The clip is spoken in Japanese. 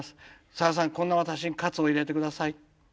さださんこんな私に活を入れて下さい」。